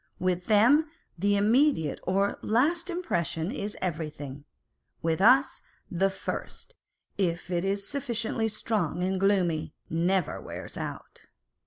With them the immediate or last impression is everything : with us, the first, if it is sufficiently strong and gloomy, never wears out!